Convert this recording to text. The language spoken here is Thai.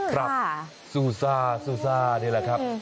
ครับซูซ่าซูซ่านี่แหละครับ